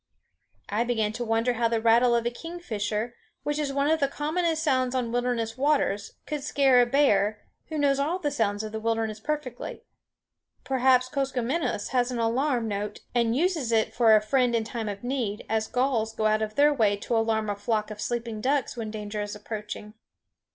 I began to wonder how the rattle of a kingfisher, which is one of the commonest sounds on wilderness waters, could scare a bear, who knows all the sounds of the wilderness perfectly. Perhaps Koskomenos has an alarm note and uses it for a friend in time of need, as gulls go out of their way to alarm a flock of sleeping ducks when danger is approaching.